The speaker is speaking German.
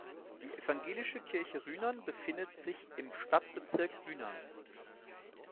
Die evangelische Kirche Rhynern befindet sich im Stadtbezirk Rhynern.